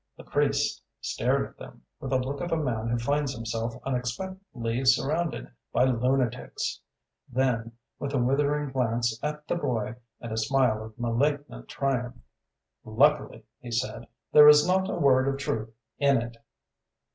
The priest stared at them, with the look of a man who finds himself unexpectedly surrounded by lunatics; then, with a withering glance at the boy, and a smile of malignant triumph "Luckily," he said, "there is not a word of truth in it!"